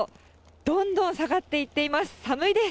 どんどん下がっていっています。